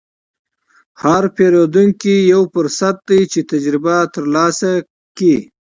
هر پیرودونکی یو فرصت دی چې تجربه ترلاسه کړې.